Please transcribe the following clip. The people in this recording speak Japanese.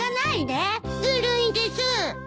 ずるいです。